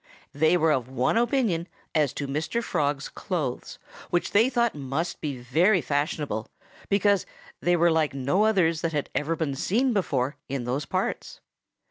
They were of one opinion as to Mr. Frog's clothes, which they thought must be very fashionable, because they were like no others that had ever been seen before in those parts.